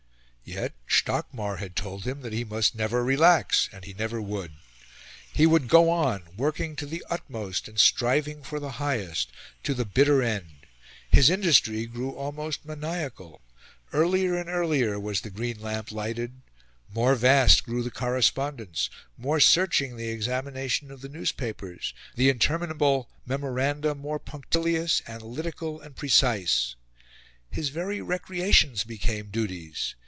Yet Stockmar had told him that he must "never relax," and he never would. He would go on, working to the utmost and striving for the highest, to the bitter end. His industry grew almost maniacal. Earlier and earlier was the green lamp lighted; more vast grew the correspondence; more searching the examination of the newspapers; the interminable memoranda more punctilious, analytical, and precise. His very recreations became duties.